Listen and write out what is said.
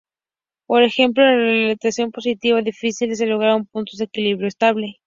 Por ejemplo con la realimentación positiva, difícilmente se logran puntos de equilibrio estable.